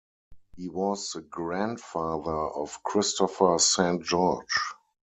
He was the grandfather of Christopher Saint George.